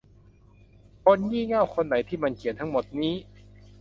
คนงี่เง่าคนไหนที่มันเขียนทั้งหมดนี้ ?